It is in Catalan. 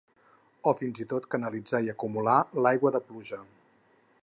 O fins i tot canalitzar i acumular l'aigua de pluja.